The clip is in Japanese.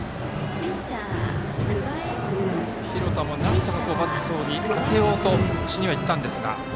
廣田もなんとかバットに当てようとしにいったんですが。